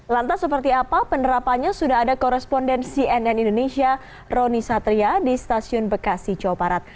lantas seperti apa penerapannya sudah ada korespondensi nn indonesia roni satria di stasiun bekasi jawa barat